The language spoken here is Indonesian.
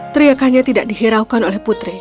teriakannya tidak dihiraukan oleh putri